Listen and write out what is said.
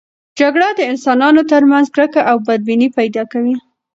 جګړه د انسانانو ترمنځ کرکه او بدبیني پیدا کوي.